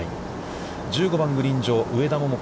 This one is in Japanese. １５番、グリーン上上田桃子